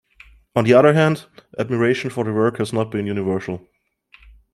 On the other hand, admiration for the work has not been universal.